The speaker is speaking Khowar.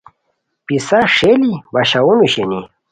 پِسہ ݰیئلی باشاؤنو شینی